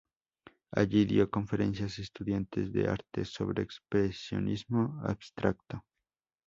Allí, dio conferencias a estudiantes de arte sobre expresionismo abstracto.